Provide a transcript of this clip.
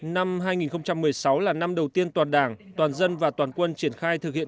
năm hai nghìn một mươi sáu là năm đầu tiên toàn đảng toàn dân và toàn quân triển khai thực hiện